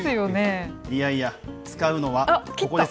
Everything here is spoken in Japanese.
いやいや、使うのはここです。